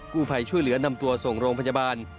ผู้ภัยช่วยเหลือนำตัวส่งโรงพยาบาล